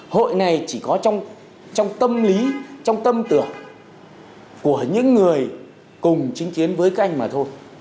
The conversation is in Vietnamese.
hội này chỉ có trong tâm lý trong tâm tưởng của những người cùng chính chiến với các anh mà thôi